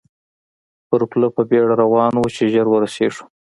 پر پله په بېړه روان وو، چې ژر ورسېږو.